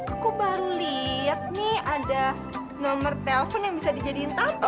aku baru lihat nih ada nomor telpon yang bisa dijadiin tato